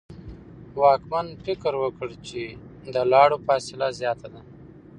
واکمن فکر وکړ چې د لارو فاصله زیاته ده.